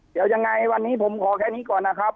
เดี๋ยวยังไงวันนี้ผมขอแค่นี้ก่อนนะครับ